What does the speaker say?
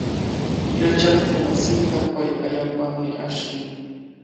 Yachakuqmasinta pay allaapami ashllin.